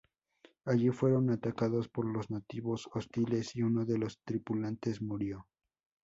Allí fueron atacados por los nativos hostiles y uno de los tripulantes murió.